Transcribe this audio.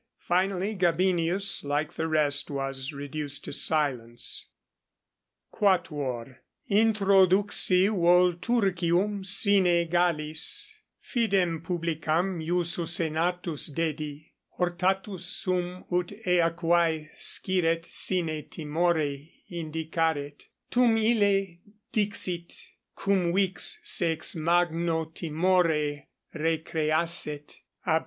Finally Gabinius, like the rest, was reduced to silence._ =4.= Introduxi Volturcium sine Gallis, fidem publicam iussu senatus dedi, hortatus sum ut ea quae sciret sine timore indicaret. Tum ille dixit, cum vix se ex magno timore recreasset, a P.